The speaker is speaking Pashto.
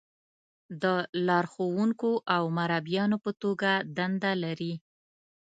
د لارښونکو او مربیانو په توګه دنده لري.